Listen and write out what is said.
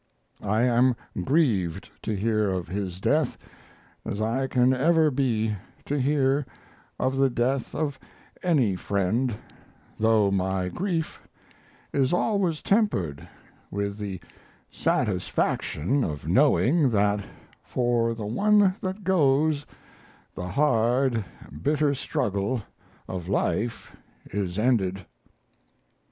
I am as grieved to hear of his death as I can ever be to hear of the death of any friend, though my grief is always tempered with the satisfaction of knowing that for the one that goes, the hard, bitter struggle of life is ended."